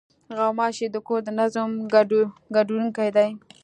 غوماشې د کور د نظم ګډوډوونکې دي.